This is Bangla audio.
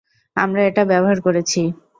আমরা এটা ব্যবহার করেছি।